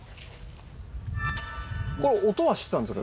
これ音はしてたんですか？